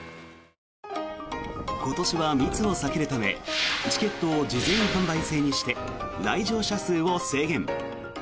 今年は密を避けるためチケットを事前販売制にして来場者数を制限。